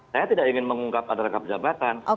saya tidak ingin mengungkap ada rangkap jabatan